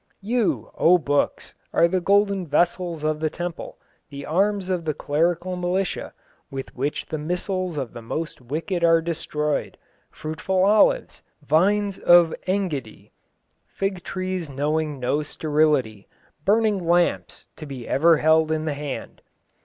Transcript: "You, O Books, are the golden vessels of the temple, the arms of the clerical militia, with which the missiles of the most wicked are destroyed, fruitful olives, vines of Engedi, fig trees knowing no sterility, burning lamps to be ever held in the hand."